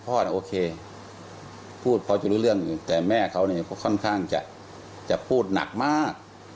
พ่อเนี่ยโอเคพูดพอจะรู้เรื่องอยู่แต่แม่เขาเนี่ยค่อนข้างจะพูดหนักมาก